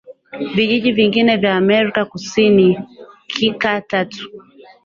vijiji vingine vya Amerika Kusini Kika tatu